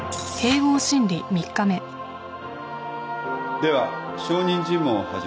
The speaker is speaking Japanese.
では証人尋問を始めます。